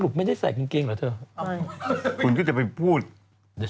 ดูไอจีมันมีเหลืออะไรแล้ว